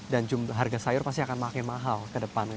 dan harga sayur pasti akan makin mahal ke depan